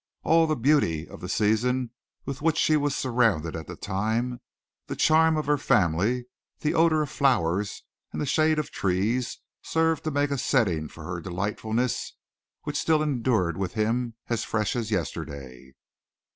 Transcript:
All the beauty of the season with which she was surrounded at that time; the charm of her family, the odor of flowers and the shade of trees served to make a setting for her delightfulness which still endured with him as fresh as yesterday.